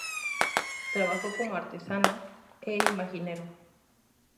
Trabajó como artesano e imaginero.